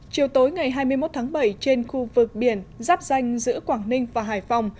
chiều tối ngày hai mươi một tháng bảy trên khu vực biển giáp danh giữa quảng ninh và hải phòng